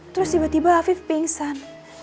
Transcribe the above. terus tiba tiba hafif pingsan